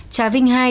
trà vinh hai